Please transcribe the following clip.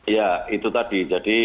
ya itu tadi